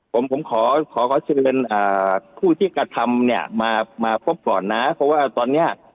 ผมผมขอขอเชิญอ่าผู้ที่กระทำเนี่ยมาพบก่อนนะเพราะว่าตอนเนี้ย